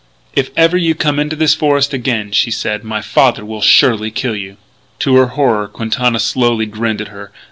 "If ever you come into this forest again," she said, "my father will surely kill you." To her horror Quintana slowly grinned at her.